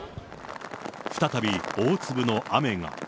再び大粒の雨が。